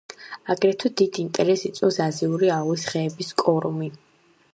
აგრეთვე დიდ ინტერესს იწვევს აზიური ალვის ხეების კორომი.